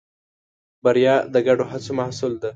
بریا د ګډو هڅو محصول ده.